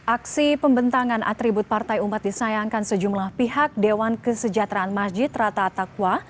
aksi pembentangan atribut partai umat disayangkan sejumlah pihak dewan kesejahteraan masjid rata atakwa